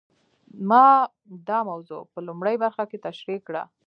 ما دا موضوع په لومړۍ برخه کې تشرېح کړه.